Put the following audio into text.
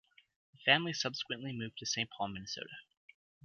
The family subsequently moved to Saint Paul, Minnesota.